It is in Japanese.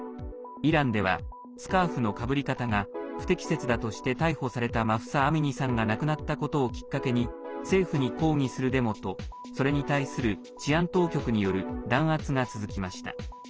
イランではスカーフのかぶり方が不適切だとして逮捕されたマフサ・アミニさんが亡くなったことをきっかけに政府に抗議するデモとそれに対する治安当局による弾圧が続きました。